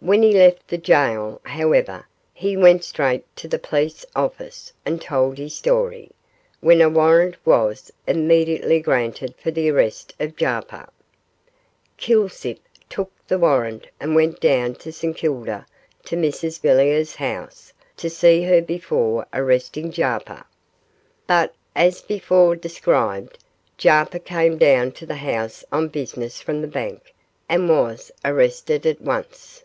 When he left the gaol, however, he went straight to the police office and told his story, when a warrant was immediately granted for the arrest of Jarper. Kilsip took the warrant and went down to St Kilda to Mrs Villiers' house to see her before arresting Jarper; but, as before described, Jarper came down to the house on business from the bank and was arrested at once.